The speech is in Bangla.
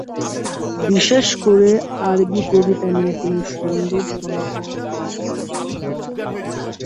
বিশেষকরে আরবী কবিতা নিয়ে তিনি সুন্দর সুন্দর কিছু কাজ করেছেন।